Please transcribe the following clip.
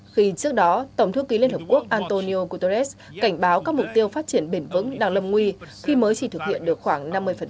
khi trước đó tổng thư ký liên hợp quốc antonio guterres cảnh báo các mục tiêu phát triển bền vững đang lâm nguy khi mới chỉ thực hiện được khoảng năm mươi